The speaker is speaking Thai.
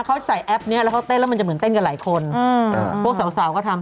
เขาใส่แอปเนี้ยแล้วเขาเต้นแล้วมันจะเหมือนเต้นกับหลายคนพวกสาวสาวก็ทำ